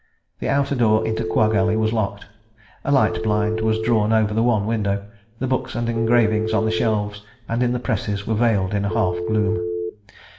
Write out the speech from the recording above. The outer door into Quagg Alley was locked: a light blind was drawn over the one window; the books and engravings on the shelves and in the presses were veiled in a half gloom.